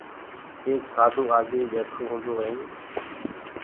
ايڪ سآڌوٚ آگيئيٚ ٻيٺو هُونٚدو ائينٚ